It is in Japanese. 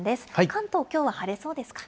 関東、きょうは晴れそうですか。